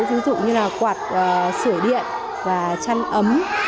ví dụ như là quạt sửa điện và chăn ấm